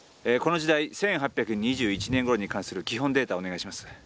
この時代１８２１年ごろに関する基本データをお願いします。